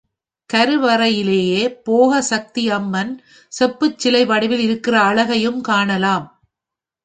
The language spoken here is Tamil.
கருவறையிலேயே போக சக்தி அம்மன் செப்புச் சிலை வடிவில் இருக்கிற அழகையும் காணலாம்.